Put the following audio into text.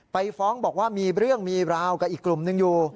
ไปฟ้องบอกว่ามีเรื่องมีราวกับอีกกลุ่มหนึ่งอยู่